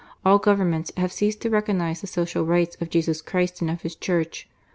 All Govern ments have ceased to recognize the social rights of Jesus Christ and of His Church.